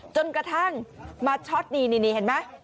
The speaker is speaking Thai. จนกระทั่งมาช็อตนี่เห็นไหม